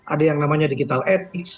ada yang namanya digital etnis